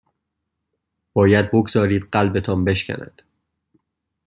باید بگذارید قلبتان بشکند